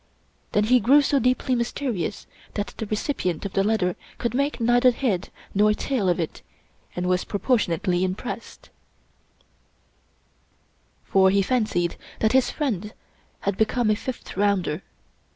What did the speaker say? Then he grew so deeply mys terious that the recipient of the letter could make neither head nor tail of it, and was proportionately impressed ; for he fancied that his friend had become a "fifth rounder."